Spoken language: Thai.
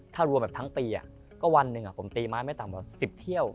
ถ้ารวมแบบทั้งปีก็วันหนึ่งผมตีไม้ไม่ต่ำกว่า๑๐เที่ยว